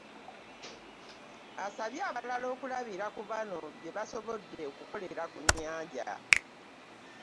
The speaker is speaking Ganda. Asabye abalala okulabira ku bano gye basobodde okukolera ku nnyanja.